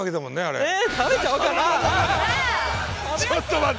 ちょっと待て。